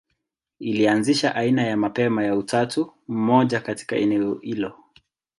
Ilianzisha aina ya mapema ya utatu mmoja katika eneo hilo.